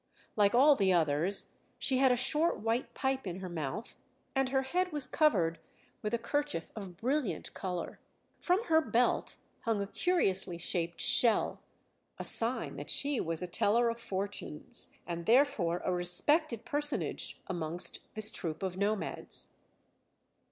Like all the others she had a short white pipe in her mouth, and her head was covered with a kerchief of brilliant colour. From her belt hung a curiously shaped shell, a sign that she was a teller of fortunes, and therefore a respected personage amongst this troop of nomads.